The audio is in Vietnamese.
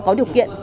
có điều kiện